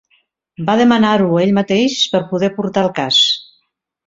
Va demanar-ho ell mateix per poder portar el cas.